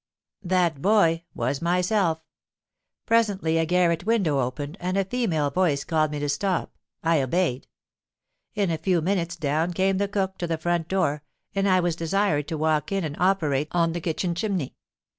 That boy was myself. Presently a garret window opened, and a female voice called me to stop. I obeyed. In a few minutes down came the cook to the front door, and I was desired to walk in and operate on the kitchen chimney.